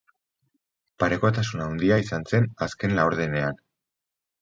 Parekotasun handia izan zen azken laurdenean.